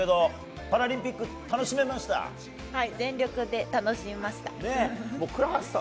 パラリンピック全力で楽しめました。